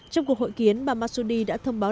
trong cuộc hội kiến bà masudi đã thông báo